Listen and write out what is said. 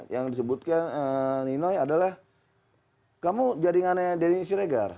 yang disebutkan ninoy adalah kamu jaringannya denny siregar